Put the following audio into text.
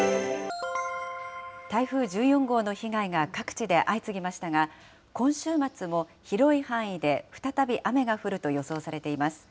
台風１４号の被害が各地で相次ぎましたが、今週末も広い範囲で再び雨が降ると予想されています。